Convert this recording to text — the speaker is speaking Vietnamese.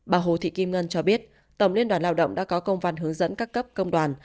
bà hồ thị kim ngân cho biết tổng liên đoàn lao động đã có công văn hướng dẫn các cấp công đoàn